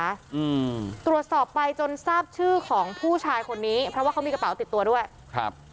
อืมตรวจสอบไปจนทราบชื่อของผู้ชายคนนี้เพราะว่าเขามีกระเป๋าติดตัวด้วยครับ